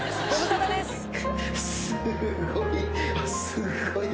すごい。